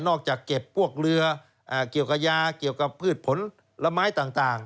นอกจากเก็บพวกเรืออ่าเกี่ยวกับยาเกี่ยวกับพืชผลละไม้ต่างต่าง